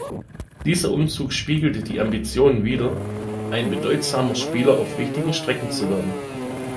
Dieser Umzug spiegelte die Ambitionen wider, ein bedeutsamer Spieler auf wichtigen Strecken zu werden.